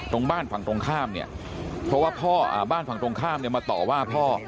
ตรงบ้านฝั่งตรงข้ามเนี่ยเพราะว่าพ่อบ้านฝั่งตรงข้ามเนี่ยมาต่อว่าพ่อ